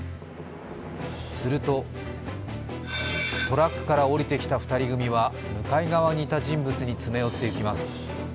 すると、トラックから降りてきた２人組は向かい側にいた人物に詰め寄っていきます。